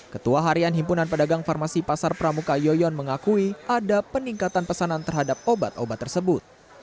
ketua harian himpunan pedagang farmasi pasar pramuka yoyon mengakui ada peningkatan pesanan terhadap obat obat tersebut